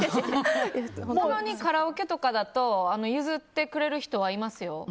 たまにカラオケとかだと譲ってくれる人はいますよ。